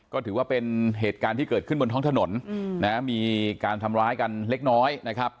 ก็ถือว่าเป็นเหตุการณ์ที่เกิดขึ้นบนท้องถนนมีการทำร้ายกันเล็กน้อยนะครับ